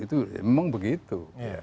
itu memang begitu